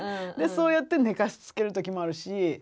そうやって寝かしつける時もあるし。